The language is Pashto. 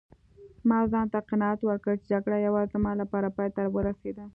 ما ځانته قناعت ورکړ چي جګړه یوازې زما لپاره پایته ورسیده.